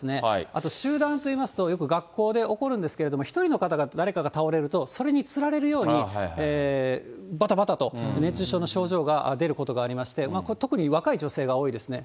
あと集団といいますと、よく学校で起こるんですけども、１人の方が、誰かが倒れると、それにつられるようにばたばたと熱中症の症状が出ることがありまして、特に若い女性が多いですね。